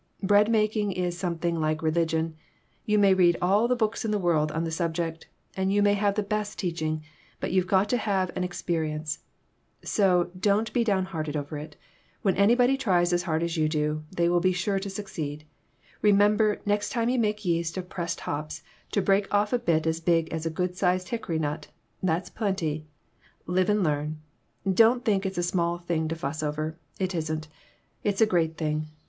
Bread making is some thing like religion ; you may read all the books in the world on the subject, and you may have the best teaching, but you've got to have an experi ence; so don't be downhearted over it. When anybody tries as hard as you, they will be sure to succeed. Remember, next time you make yeast of pressed hops, to break off a bit as big as a good sized hickory nut; that's plenty. Live and learn. Don't think it's a small thing to fuss over. It isn't. It's a great thing.